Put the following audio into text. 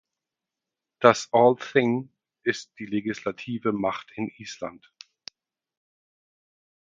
Das Althing ist die legislative Macht in Island.